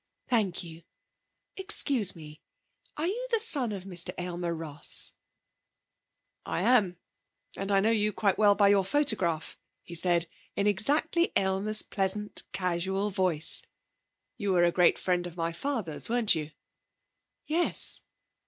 'Thank you. Excuse me. Are you the son of Mr. Aylmer Ross?' 'I am. And I know you quite well by your photograph,' he said in exactly Aylmer's pleasant, casual voice. 'You were a great friend of my father's, weren't you?' 'Yes.